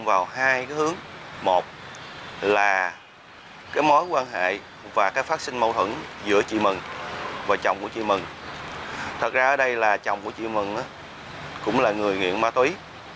vợ chồng của chị mừng cũng là người nghiện ma túy